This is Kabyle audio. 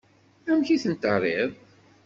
Amek i ten-terriḍ?